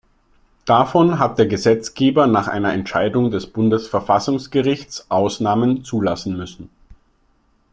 Davon hat der Gesetzgeber nach einer Entscheidung des Bundesverfassungsgerichts Ausnahmen zulassen müssen.